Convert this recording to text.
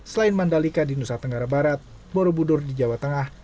selain mandalika di nusa tenggara barat borobudur di jawa tengah